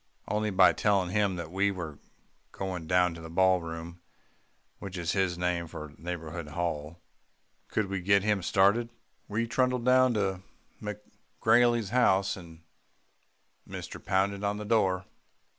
Only by telling him that we were going down to the ballroom, which is his name for Neighbourhood Hall, could we get him started. We trundled down to McGrailey's house, and mister pounded on the door."